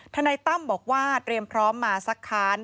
นายตั้มบอกว่าเตรียมพร้อมมาสักค้าน